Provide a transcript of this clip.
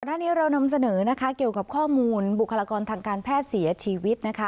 หน้านี้เรานำเสนอนะคะเกี่ยวกับข้อมูลบุคลากรทางการแพทย์เสียชีวิตนะคะ